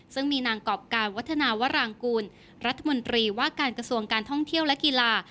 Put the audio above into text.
ซึ่งมีนางกรอบการวัฒนาวรางกูลรัฐมนตรีว่าการกระทรวงการท่องเที่ยวและกีฬา